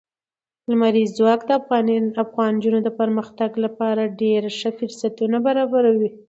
لمریز ځواک د افغان نجونو د پرمختګ لپاره ډېر ښه فرصتونه برابروي.